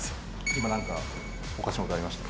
今なんかおかしなことありました？